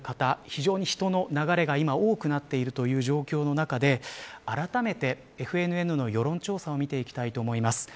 非常に人の流れが今、多くなっている状況の中で改めてＦＮＮの世論調査を見ていきたいと思います。